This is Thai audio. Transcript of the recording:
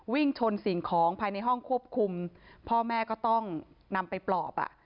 วิ่งชนสิ่งของภายในห้องควบคุมพ่อแม่ก็ต้องนำไปปลอบอ่ะ